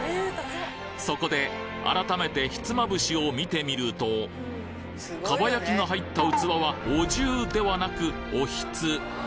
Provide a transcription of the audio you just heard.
そこで改めてひつまぶしを見てみると、かば焼きが入った器はお重ではなく、おひつ。